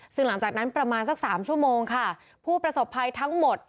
ซึ่งหลังจากนั้นประมาณสักสามชั่วโมงค่ะผู้ประสบภัยทั้งหมด